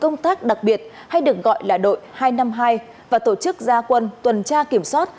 công tác đặc biệt hay được gọi là đội hai trăm năm mươi hai và tổ chức gia quân tuần tra kiểm soát